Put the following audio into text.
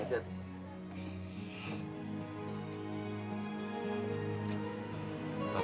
pak salah apa ya